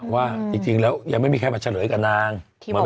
ว่าจริงแล้วยังไม่มีใครมาเฉลยกับนาง